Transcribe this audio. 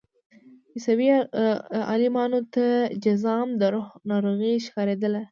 عیسوي عالمانو ته جذام د روح ناروغي ښکارېدله.